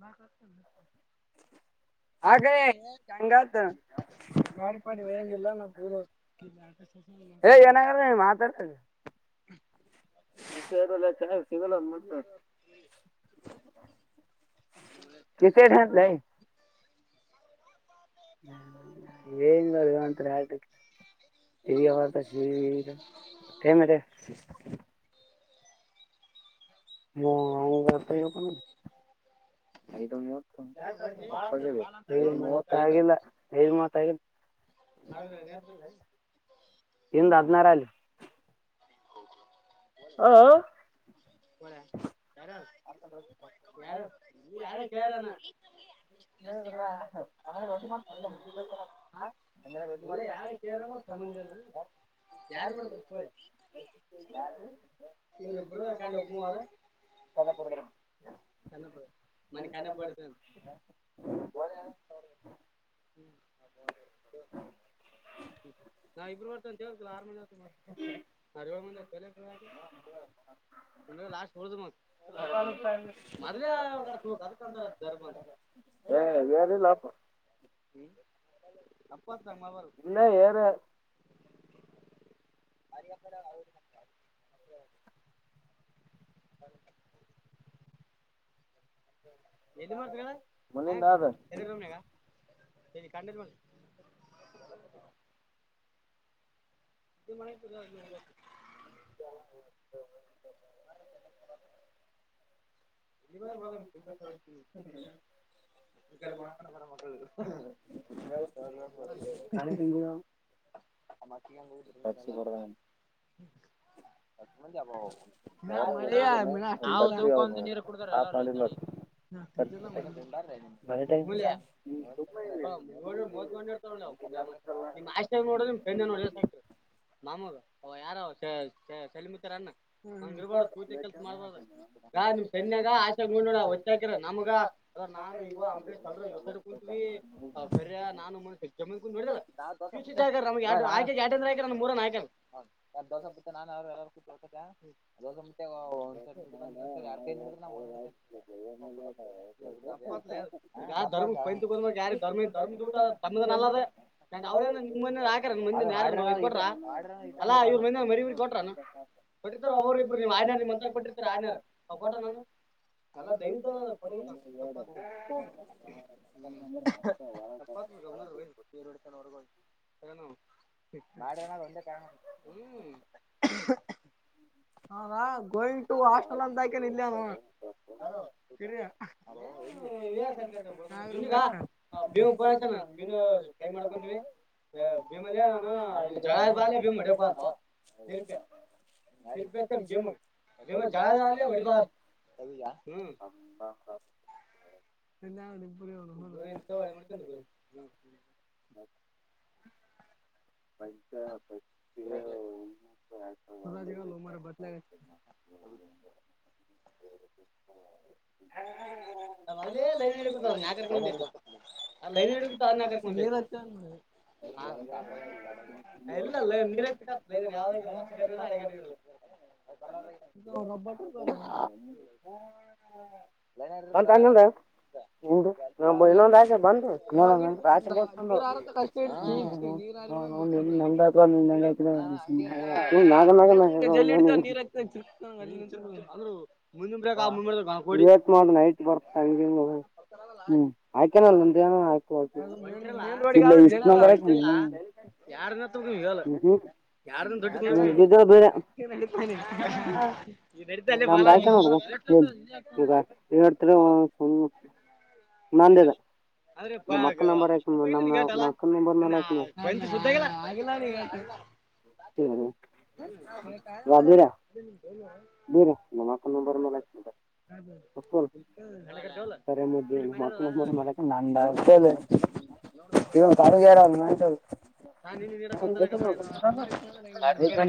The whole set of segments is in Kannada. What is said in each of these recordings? ಬ ಆಗ ಜಂಗಲ್ಲ ಕಾಡಿಪಾಡಿ ವಯಂಗಲ್ಲ ನ ಪೂರ್ವ ಏ ಏನಾಗ್ರ ಮಾತಾಡ ಲ್ಲ ಚಾ ಸಿಗಲ್ಲ ಮ ಕೆತ್ತ ಹ ಏನ್ ಮಾಡ ಒಂಂತರ ಹೇಳ್ಕ್ಕೆ ಇ ಆವದ ಸಿೇ ಮ ಹ ಬತಕ ಮ ಆಗಿಲ್ಲ ನೀ ಮಾತ್ ಆಗಿಲ್ಲ ಇಂದು ಹದ್ಿನಾರಲ್ಲಿ ಹೌ ಹಾ ಯಾರ ನೀ ಯಾರ ಸೇಾನ ುದ್ರಟಿ ಮಾಡ್ತ [unintelligible] ತದರಿ ಯಾರು ಮಾಡೇಡಬೇಕಟ್ಟ ತೋಳೆ ಇವ ಬೆಳ ಕಂಡ ಪೂವಾರ ಸನ್ನ ಪ ಮನೆ ಕನ್ನ ಬಡ್ತ ಹ್ಮ ನ ಇಬರುವರ್ತನ್ವ ಆರ ಮ ಮ ಅರವಳ ಮುಂದ ಲಾಸ್ಟ್ ಹೊೋದ ಮ ಮದ್ಲೇ ಅದಕಂತಾರ ದರ್ಮ ಹ ವರೆಲ್ಲ ಅಪ್ಪ ಹ್ಮ್ ಅಪ್ಪಾ ತಂಗ ಮಾ ಅವರು [unintelligible] ಹ [unintelligible] ಏಲ್ಲಿ ಮಾಡ್ತೀರಿ ಹೇಳು ಎದುರು ರೂಮ್ ನಾಗ ಇದು ಮನೆಪ ಅ [unintelligible] ಇ ಬ ಕಡ [unintelligible] ಕಡೆ ಹೊಂಟರ [unintelligible] ಮತ್ತೆ ನಲ್ಲತ ಅ ಜಬ [unintelligible] ಮಕಂತ ನೀರ ಕುಡ್ತಾರ ಎಲ್ಲಾರು ಇಂದ್ಗಡಿಗೆ ಮ [unintelligible] ್ಷ್ಟ ನೋಡ್ರಿ ನಿಮ್ ನೋ್ರಕ್ರಿ ಎಸ್ ಹಾಕಿರಿ ಮಾಮೂದು ಯಾರ ಅವ ಶಲ್ಮಿತ್ರ ಹಂಗರ್ಬಾರ ಪೂತಿ ಕೆಲ್ಸ ಮಾಡ್ಬಾರ ನಿಮ್ ಸನ್ಯಾಗ ಆಶೆಾಗ ನೋಡ್ ನೋಡ ಹೊಚ್ಚ ಹಾಕರ ನಮ್ಗ ನಾನು ಇವ ಅಂಬರೀಷ್ಲ್ರು ಯವ ಕುೂಂತವಿ ಸರ್ಯ ನಾನು ಮ ಜಮೀನ್ ಕು ನೋಡಿದಲ್ಲ ರ ಆೋ ಅ ಮತ್ತೆ ಒಂದ್ಸ ಬಂದ್ ಸ ಯಾರ್ ಕೈ ನಡ್ರ ನಾ ಧರ್ಮ ಯಾರ ಧಮಧರ್ಮ ತ ನ ಅದ ಅವ್ರೇನ ನಿಮ್ ಮಂದ ಹಾ ಅಾ ಇವ್ರ ಮಂದ ಮರಿವರಿ ಕೊಟ್ರಾನ ಟ್ಟ ಅವ ರಾಜಾರ ನ ಅದ ನವಿ ಪ ಹ ಮಾಡಡು ಒಂದೇ ಕ ಹ್ಮ [unintelligible] ಹದಾ ಗೋವಿಂಗ್ ಟು ಹಾಸ್ಟೆಲ್ ಅಂತಾಕಿದಯಾನ ಮೀನು ಕೈ ಮಾಡ್ಕೊೀವಿ ಭೀಮಲ್ ನಾನ ಜ ಬಾಲ ಭೀಮ್ ಹೊಡ್ಯಬೇಕಾನ ತಿರ್ಪೆ ಯಿೂಾಯಿ ಜತ ಹ್ಮ ಹ್ಮ ಹ್ಮ ಹಾ [unintelligible] ಎಲ್ಲರ ಎಂತಳ ಮಾಡ ಪುರ [unintelligible] [unintelligible] ಪಂಚ ಸದಾಜಾಲ ಮರ ಬತ್ಲಾಗ [unintelligible] ಹ ಮದಲೇ ಲೈನ್ ಹಬೇಕ್ರಕ ಅೈನ್ ಹ ಅ ಇಲ್ಲ ಇಲ್ಲ ನೀರನ್ಯ ಹೊ ಅಣಬ ನ ತಾನದ ಹಡು ನ ಇನ್ನೊಂದ್ ರಾಜ ಬಂದು ಜ [unintelligible] ಎ ನೀಾ ಹ ಮು ವಿವತ್ ಮಾಡ್ ನೈಟ್ ಬರ್ತ ಹಂಗಿಂಗ ಹ್ಮ್ ಆಯಕನಲ್ಲ ಅಂದ ಏನ ಆಕು ಇಿಲ್ಲ ಇಷ್ಟು ನ ಬಕ್ ಯಾರನ್ನತ್ರಗ ಇಲ ಬೇರೆ ನಡತೇನೆ ಈ ನಡತಲ್ಲಿ ಬ ಈಗ ಎಡ್ ನಂದೇದ ಆದ್ರೆ ಪಲ್ಲ ನಿಗ ಆಟಲ್ಲ ಸುತ್ತಾಗಿಲ್ಲ ಶಕ [inaudible] ಬರ ನಮ್ಮಕ ನ ಬರ ಮಲೆ ಸರಿ ಮ ಮಕ್ಕಳರ ಮಳ ನಾ ಇವ ತಳಗೆಾರ ಮಂ ಅ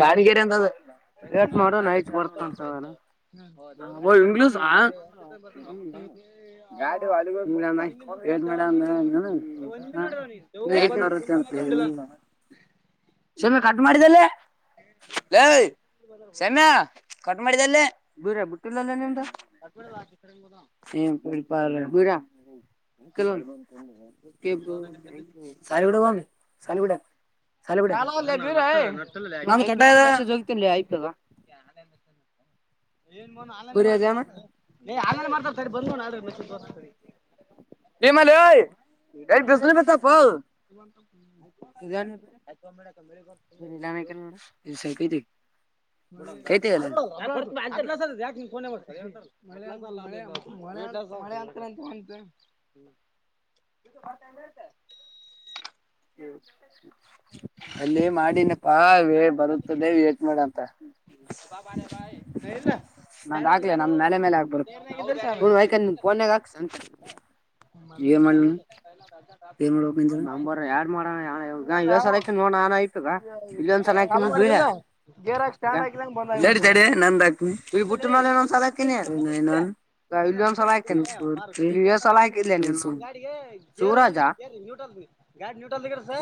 ಅಾನಿಕೇರೆ ಎಂತ [unintelligible] ಏತ್ ಮಾಡೋ ನೈಟ್ ಬಾರ್ತಂತೇನ ಹ್ಮೌ ಬ [unintelligible] ಈ ತಿ ಮುಟ್ಟು ಮತ್ತ ಯಾವ ನೋಡ್ರಿ ಒಂದ ನೋಡಿದವಾನ ದವ್ರು ಬಂದ್ ಕುಂತು ಮಕ ನೋಡಿದ [unintelligible] ಸಮ ಕಟ್ ಮಾಡಿದ್ದೇಲ್ಲ ಸಮಮ್ಯಾ ಕಟ್ ಮಾಡಿದ್ದ ಬರ ಬಿಟ್ಟಲ್ಲಲ್ಲ ನಿ ನೀಪ ದೂರ ನ್ ಕೆಲ್ಲ ಸಾಲಗಡ ಬಾಮ ಸಾಲ ಬಿಡ ಚಾಲ ಒಲ್ಲ್ದೀರಾಯ್ ನ ಕಟ್ಟದ ಜೋಗತಿ ಆಯ್ತದ ನಾಳೆ ಎ ಚ [inaudible] ಏನ್ೋ ಆನ್ ಆನ್ೈನ್ ಮಾಡ್ತಾರ ಸರಿ ಬಂದೋ ನಿಮಾಲಯ ಹಯ್ ಬಿಸಿಲು ಬತ್ತಫಲ್ ಆಯ್ [inaudible] ಡ [unintelligible] ಯಾಕ ಮೆ ಅಂತ [unintelligible] ಹ್ಮ ಇಸ ಬರ್ತಾಯ ಮತ ಅಲ್ಲೇ ಮಾಡಿನ ಬಾವೇ ಬರುತ್ತದೆೇವ ವೈಟ್ ಮಾಡಂತ ಬಾಬ ಅ ರೇ ಭಾಯ ಸಲ್ಲ ನಾ ಹಾಕ್ಲ ನಮ್ ಮನೆಲೆ ಮೇಲೆ ಹಾಕ್ಬರುಯಕ ನಿಮ್ ಫೋನ್ಗ ಹಾಕ್ಸಂತ [inaudible] ಏನ್ ಮಾಡಬೇಕ್ ನಿಂದ ನಂಬರ್ ಆಡ್ ಮಾಡಣ್ಣ ಈಗ ಎಸ ಸಲಾ ಹಾಕೆನಿ ನೋಡ್ ಅಣ್ಣಾ ಆನ್ ಐತಿ ಅದ. [unintelligible] ಗೇರ ಗ ಇಲ್ಲಡತಡ ನಂದ ಹಾಕಿ ಇ ಬುಟ್ಟ ಮೇಲೆ ಇದ್ಸ ಹಾಕಿನಿನ್ ಇ ಒಂದ್ಸ [unintelligible] ಎಸ ಸಲಾ ಹಾಕಿದ್ಲೇ ನಿ ಸು ಸೂರಜ್. ಸರಿ ನ್ಯೂಟನ್ ಗಾಡಿ ನ್ಯೂಟನ್ ಸ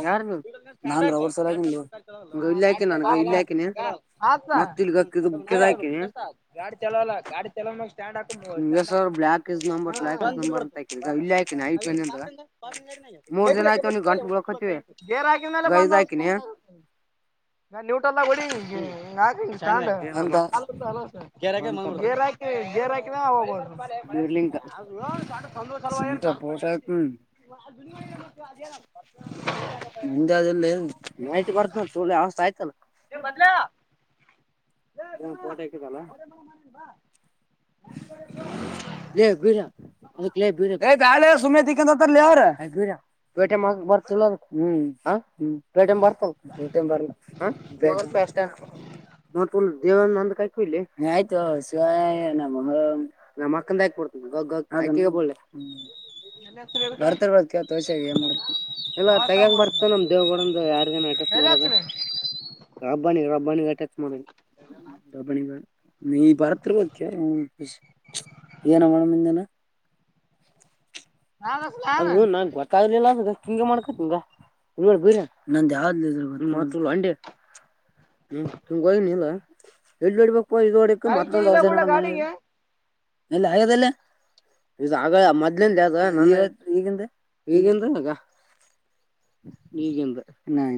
ಸ್ಟ್ಯಾಂಡ್ ಆಗ್ ಗ ಹಲೋ [unintelligible] ಹಾ ಕ ಗಾಡಿ ಚಲವಲ್ಲ ಗಾಡಿ ಚಲವ ಸ್ಟ್ಯಾಂಡ ಹಾಕ ಸ್ಟ್ಯಾಂಡ ಹಾಕ. [unintelligible] [inaudible] ಗೇರ್ ಅಕಿದ್ ಮೇಲೆ ಬಂದ. [unintelligible] ಇಂಗ್ ಹಾಕಿ ಸ್ಟಂಡ್ ಹಾಕಿ ಗೇರ್ ಹಾಕಿ ಗೇರ್ ಮಾಡ್ಕೊಂಡ್ ಹೋಗಬಹುದ್ [unintelligible] [unintelligible] ಆಯ್ತಲ್ಲ ಪೋಟ ಹಿಕಿದಲ್ಲ. [unintelligible] [unintelligible] ಹ ಅಷ್ಟ [unintelligible] ನ ತು ದೇವ ನಂದ್ ಕೈ ಕೂ ಇಲ್ಲೇ ಆಯ್ತು ಶಿವಾಯ್ [unintelligible] ಹಲೋ ಬರ್ತೆ ಬಿಡ್ [unintelligible] ಏನ್ ಮಾಡ್ತಿ ಎಲ್ಲಾ ತೈಯಂಗ ಬರ್ತಿ ನಮ್ ದೇವ್ಗಡಂದು ಯಾರ್ಗನ್ ಅಟೆಕ್ಟ್ ಮಾಡೋದು. ರಬ್ಬಾನಿ ರಬ್ಬಾನಿ ಯಾಕ್ ಟಚ್ ಮಾಡದ್ ದಬಣಿ ನೀ ಬರತ್ರಿಕೆ ಬ್ [unintelligible] ಏನ್ ಮಾಡಣಂದಿದನೆ ಅದು ನನ್ ಗೊತ್ತಾಗೊದ್ದಿಲ್ಲ. [unintelligible] ಹ್ಮ್ ತು ಹೋಗನಿಲ್ಲ ಎಲ್ಲಿ ಇಡ್ಬೇಕು. [unintelligible] ಎಲ್ಲೆ ಹಳೆದ್ ಎಲ್ಲಿ ಇದ್ ಹಾಗೆದಲ್ಲ ಮೊದ್ಲಿಂದ್ ಯಾವದೊ ನಾನ್ ಈಗಂದ್ ಈಗಂದ್ ಆಗ [unintelligible] ಈಗ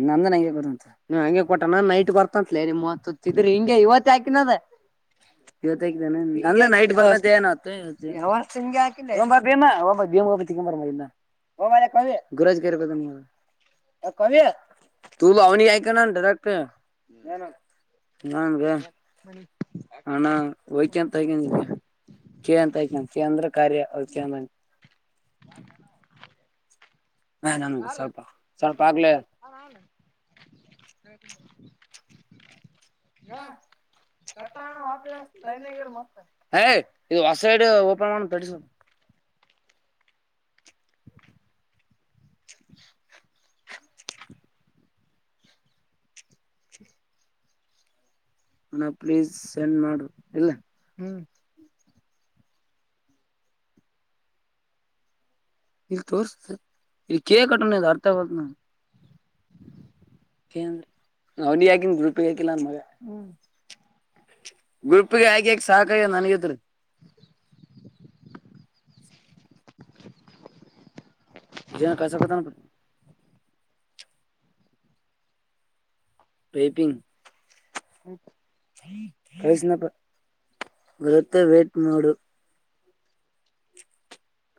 ನಂದುನ ಹಂಗೆ ಕೊಟ್ಟನ ಹಂಗೆ ಕೊಟ್ಟನಾ ನೈಟ್ ಬರ್ತನ್ತ್ಲ. [unintelligible] ಇವತ್ ಹಾಕಿನದು ಇವತೆ ಹಾಕ್ದೇನೊ ಅಲ್ಲ ನೈಟ್ ಬರೋದ್ [unintelligible] ಹಾಕಿಲ್ಲ ಒ ಭೀಮಾ ಒ ಭೀಮ. [unintelligible] ಮಾಡ ಗುರಾಜ್ ಗಾಡಯಾಗ್ ಹೋಗನ್ [unintelligible] ಏನು ನನ್ಗೆ [unintelligible] ಕೆ ಅಂತ ಹಾಕೊ ಇಲ್ಲಿ ಕೆ ಅಂತ ಹಾಕೊಂಡೆ ಕೆ ಅಂತ ಅಂದ್ರೆ ಕಾರ್ಯ ಹಾ ನಮಗೆ ಸ್ವಲ್ಪ ಸ್ವಲ್ಪ ಆಗ್ಲೇ ಹಾಮ [unintelligible] [unintelligible] [unintelligible] [unintelligible] ಅಣ ಪ್ಲೀಸ್ ಸೆಂಡ್ ಮಾಡು ಇಲ್ಲ. ಇಲ್ ತೋರ್ಸ್ತ್ ಇಲ್ಲಿ ಕೆಕ್ಟೋಣ ಅದು ಅರ್ಥ ಆವದ್ ಡಿ ಆಗನ್ ಗರುಪಿ ಹಾಕಿಲ್ಲಂದ ಮಗ ಗ್ರೂಪ್ಗೆ ಆಗಕ್ಯಾಾಕ ಸಹಕಾರ ನನ್ಗತ್ ಜನ ಕಸ ಕತ ಪೇಪಿಂಗ ಕಸಿನ ಗತ್ತ ವೇಟ್ ನೋಡು [unintelligible] [inaudible]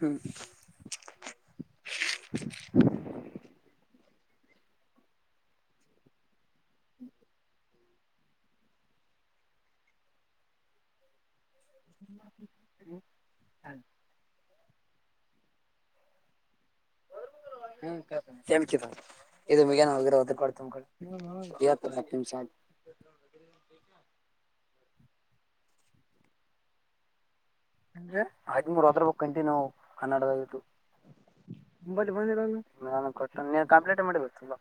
ಹ್ಮ್ ಹ್ಮ ಹಾ [inaudible] [unintelligible] [inaudible] ಹ್ಮ [unintelligible] ಚ ಬಗ [inaudible] ಹಾಗರು ಹದ್ರ ಬ ಕಂಟಿನ್ಯವು ಕನ್ನಡದತ್ತು ಂಬ ಬಂದಿರ ನಾನು ಕೊಟ್ಟನೆ ನೀ ಕಂಪ್ಲೀಟ್ ಮಾಡಿಲ್ಲ ಬೇಕುಂಬಾ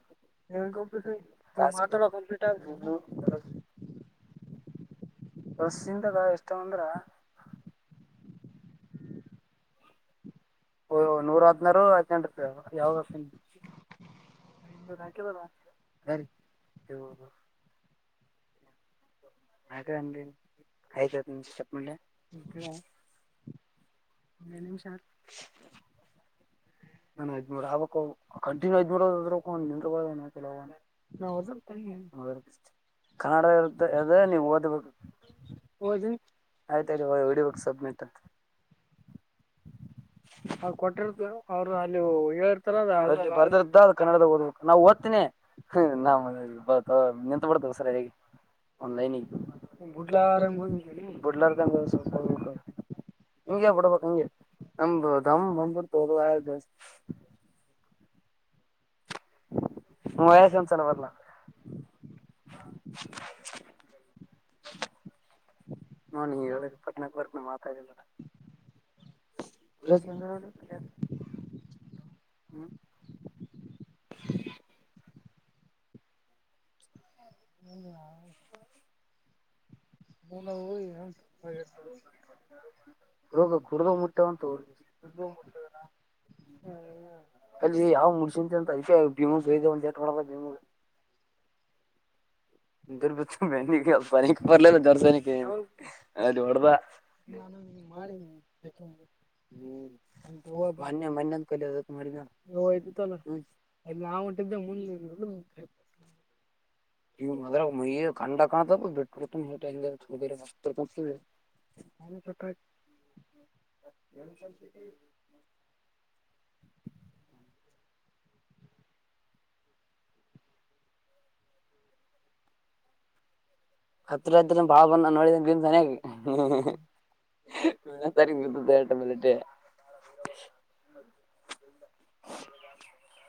ಕಟ್ ಕಂಲಿಟ್ ಆ ಬ [unintelligible] [unintelligible] [inaudible] ಬಸಸಿಂದದ ಎಷ್ಟ ಅಂದ್ರ ಓ ನೂರ ಹದ್ನಾರು ಹದ್ಿನೆಂಟು ರೂಪಾಯಿ ಯಾವಾಗ [unintelligible] [inaudible] ಅಕದೀ ಆಯತತ ಚಪ್ಪಂಡ ನಿಮಷಾಾರ್ ನಾನ ಐದ್ೂರು ಆಬೇಕ ಕಂಟಿನ್ಯೂ ದ್್ಮೂರ್ ಕೆ [unintelligible] ಕನ್ನಡ ಅದ ನೀವು ಓದ್ಬೇಕಓ ಆಯ್ತ ಆಯ್ತ ಹೊಡಿಬೇಕು ವಿಡಿಯೋ ಸಬ್ಮಿಟ್ ಅಂತ [unintelligible] [inaudible] ಹ ಕೊಟ್ಟಿರ್ತ ಅವ್ರರು ಅಲ್ಲಿ ಹೇಳಿರ್ತಾರ ಬದದ ಕನ್ನಡದಾಗ ಓದ್ಬೇಕು ನಾವ್ ಓದ್ತೀನಿ ಹ್ಮ ನ ಬ ನಿಂತ ಬಡ್ತವ ಸರ್ ಹೇಗೆ ಒನ ಬುಡ್ಲಾರ ಬುಡ್ಲ ಹಿಂಗಗೆ ಬಿಡ್ಬೇಕಕ್ ಹಿಂಗೆ ನಮ ದಮ್ ನ್ಬಿಡ್ ತ ಹೋದಸ್ ವಯಸತಲ್ಲದ ನಾ ನೀ ಹೇಳಕ್ಕೆ ಪಟ್ನಾಕ್ ಬರ್ಕ್ ಮಾತಾಡಿಲ್ಲಲ್ಲ ಹ್ಮ [unintelligible] ಹ ಹ ಇೋಗ ಕ [unintelligible] ಅಲ್ಲಿ ಯಾವ್ ಮುಡಸಂತ ಅಂತ ಅ ಭೀಮು್ದ ಒಂದ ಮಾಡ ಭೀಮು [unintelligible] ರ್ಬ ಮಪನ ಬರ್ಲಿಲ್ಲ ದರ್ಶನಕ್ಕೆ ಅದುೋಡ್ದ ಹ [unintelligible] ಹ್ಮ್ ಅ ಬ ಮನ್ಂದ ಕ ಮುಂದ ಹ್ಮ್ ನೀವ್ ಅದ್ರ ಮಯ್ಯ ಕಂಡ ಕ ಬಿಟ್ಟತ ಹ ಕಟ್ಟ ಎ [unintelligible] ಹತ್ರ್ದ ಬಾಳ್ ಬಂದ ನೋಡಿದಮ್ ಚನಯಾಗಿ ಮಸಾರತ್ತು ತರಟ ಮಲ್ಲಟ ಹ [unintelligible] [unintelligible]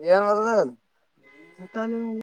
ನಿ ಅನ್ದ